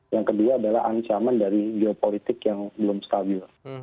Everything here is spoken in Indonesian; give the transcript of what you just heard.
yang kedua adalah ancaman dari geopolitik yang belum stabil